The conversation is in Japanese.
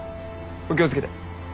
お気を付けて。